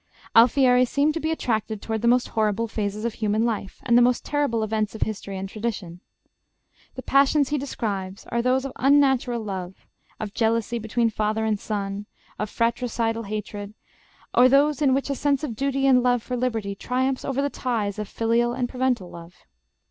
Alfieri seemed to be attracted toward the most horrible phases of human life, and the most terrible events of history and tradition. The passions he describes are those of unnatural love, of jealousy between father and son, of fratricidal hatred, or those in which a sense of duty and love for liberty triumphs over the ties of filial and parental love.